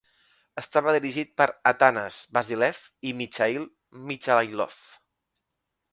Estava dirigit per Atanas Vasilev i Michail Michailov.